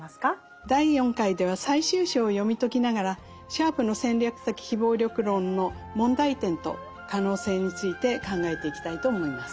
第４回では最終章を読み解きながらシャープの戦略的非暴力論の問題点と可能性について考えていきたいと思います。